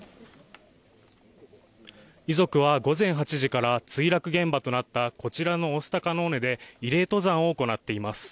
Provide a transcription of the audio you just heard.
遺族は午前８時から墜落現場となったこちらの御巣鷹の尾根で慰霊登山を行っています